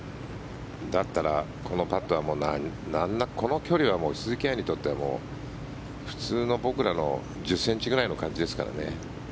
だったら、このパットはこの距離は鈴木愛にとっては普通の僕らの１０ｃｍぐらいの感じですかね。